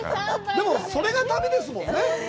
でもそれが旅ですもんね。